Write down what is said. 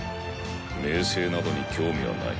名声などに興味はない。